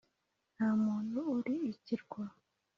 nta muntu uri ikirwa